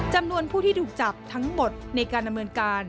จำนวนผู้ที่ถูกจับทั้งหมดในการดำเนินการ